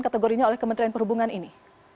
kategorinya oleh kementerian perhubungan ini